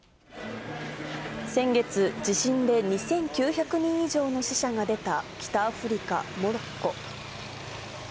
先月、地震で２９００人以上の死者が出た、北アフリカ・モロッコ。